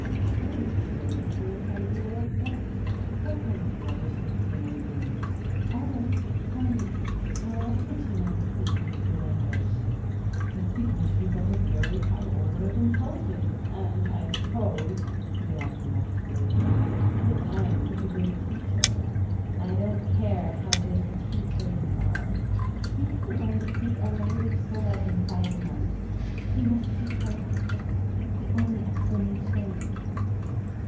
"Where did you get a ridiculous idea like that? What kind of rubbish have you been reading?" "All right, tell me: how else did she learn to speak such good English?" "It's because she's of a very high order of intelligence. And I suppose " he laughed modestly "because I'm such a good teacher." "I don't care how good a teacher you are a tree couldn't learn to speak a language so well in five months. She must be telepathic. It's the only explanation."